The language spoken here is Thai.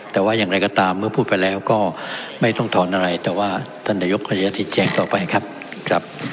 แต่ว่าอย่างไรก็ตามเมื่อพูดไปแล้วก็ไม่ต้องถอนอะไรแต่ว่าท่านนายกก็จะชี้แจงต่อไปครับ